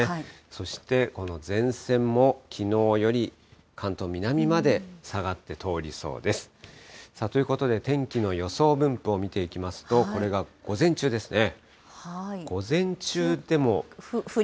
そして、この前線も、きのうより関東南まで下がって通りそうです。ということで、天気の予想分布を見ていきますと、これが午前中ですね。